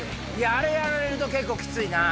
あれやられると結構きついな。